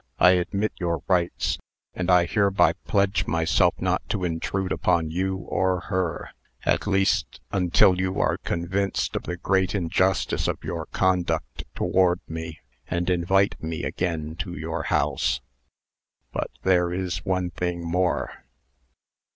I admit your rights. And I hereby pledge myself not to intrude upon you or her at least, until you are convinced of the great injustice of your conduct toward me, and invite me again to your house. But there is one thing more!"